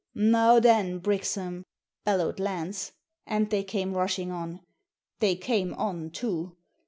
" Now then, Brixham," bellowed Lance. And they came rushing on. They came on too